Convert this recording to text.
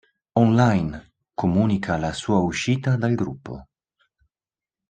Online, comunica la sua uscita dal gruppo.